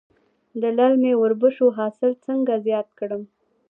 د للمي وربشو حاصل څنګه زیات کړم؟